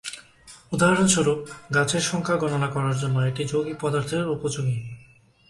উদাহরণস্বরূপ, গাছের সংখ্যা গণনা করার জন্য এটি যৌগিক পদার্থের উপযোগী।